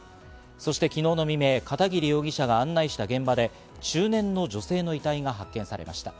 そして昨日の未明、片桐容疑者が案内した現場で、中年の女性の遺体が発見されました。